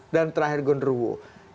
dan terakhir gondruwo